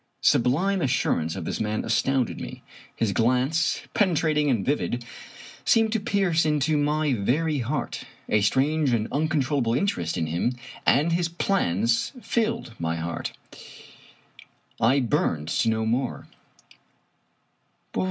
" The sublime assurance of this man astounded me. His glance, penetrating and vivid, seemed to pierce into my very 30 Fitzjames O'Brien heart. A strange and uncontrollable interest in him and his plans filled my heart. I burned to know more.